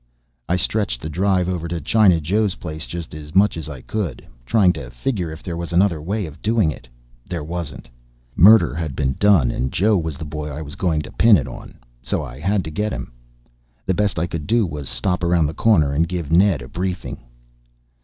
I stretched the drive over to China Joe's place just as much as I could. Trying to figure if there was another way of doing it. There wasn't. Murder had been done and Joe was the boy I was going to pin it on. So I had to get him. The best I could do was stop around the corner and give Ned a briefing.